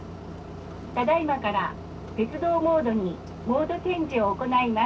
ただいまから鉄道モードにモードチェンジを行います」。